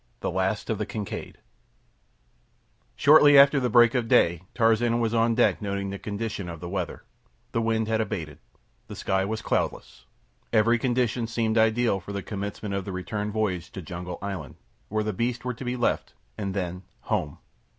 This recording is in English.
The Last of the "Kincaid" Shortly after the break of day Tarzan was on deck noting the condition of the weather. The wind had abated. The sky was cloudless. Every condition seemed ideal for the commencement of the return voyage to Jungle Island, where the beasts were to be left. And then—home!